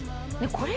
これ。